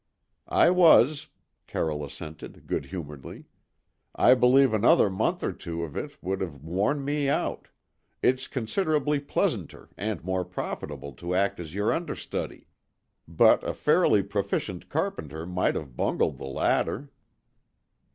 "I was," Carroll assented good humouredly; "I believe another month or two of it would have worn me out. It's considerably pleasanter and more profitable to act as your understudy; but a fairly proficient carpenter might have bungled the latter."